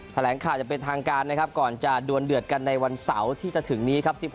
แถลงข่าวอย่างเป็นทางการนะครับก่อนจะดวนเดือดกันในวันเสาร์ที่จะถึงนี้ครับ